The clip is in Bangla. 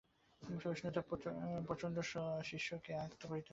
সহিষ্ণুতার প্রচণ্ড শক্তিও শিষ্যকে আয়ত্ত করিতে হইবে।